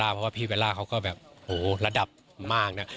เพราะว่าพี่เบลล่าเขาก็แบบโหระดับมากนะ